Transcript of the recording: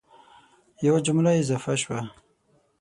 یوه جمله اضافه شوه